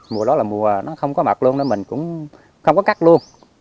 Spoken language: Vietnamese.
mùa đó là mùa nó không có mật luôn nên mình cũng không có cắt luôn